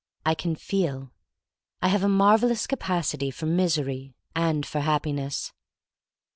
I can feel. I have a marvelous capacity for mis ery and for happiness.